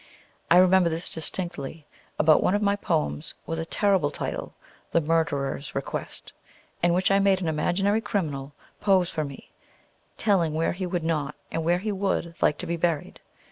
I remember this distinctly about one of my poems with a terrible title, "The Murderer's Request," in which I made an imaginary criminal pose for me, telling where he would not and where he would like to be buried.